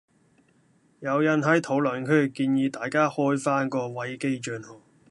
有人喺討論區建議大家開返個維基帳號